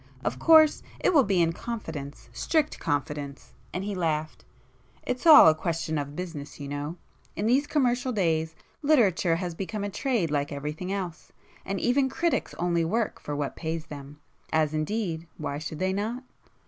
Of course it will be in confidence,—strict confidence!" and he laughed—"It's all a question of business you know,—in these commercial days, literature has become a trade like everything else, and even critics only [p 169] work for what pays them. As indeed why should they not?"